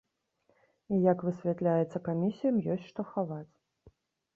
І як высвятляецца, камісіям ёсць што хаваць!